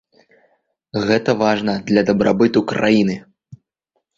Гэта важна для дабрабыту краіны.